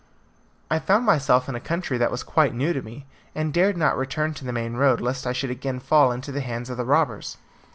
I found myself in a country that was quite new to me, and dared not return to the main road lest I should again fall into the hands of the robbers.